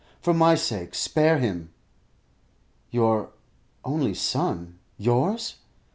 For my sake, spare him." "Your only son? _Yours?